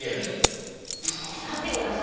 さて織田さん。